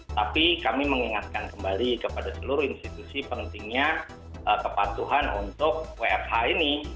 tapi kami mengingatkan kembali kepada seluruh institusi pentingnya kepatuhan untuk wfh ini